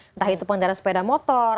entah itu pengendara sepeda motor